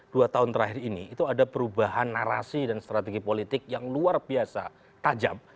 dua tahun terakhir ini itu ada perubahan narasi dan strategi politik yang luar biasa tajam